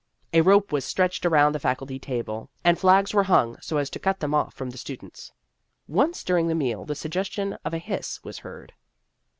A rope was stretched around the Faculty table, and flags were hung so as to cut them off from the students. Once during the meal the suggestion of a hiss was heard.